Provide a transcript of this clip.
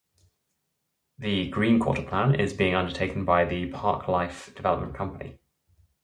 The "Green Quarter Plan" is being undertaken by the Parc life development company.